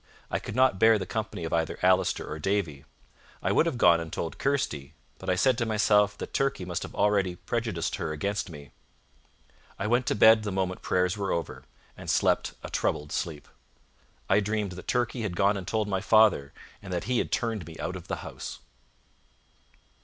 I could not bear the company of either Allister or Davie. I would have gone and told Kirsty, but I said to myself that Turkey must have already prejudiced her against me. I went to bed the moment prayers were over, and slept a troubled sleep. I dreamed that Turkey had gone and told my father, and that he had turned me out of the house.